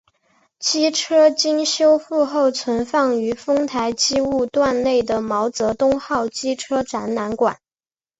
机车经修复后存放于丰台机务段内的毛泽东号机车展览馆。